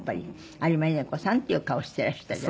有馬稲子さんというお顔をしていらしたじゃない。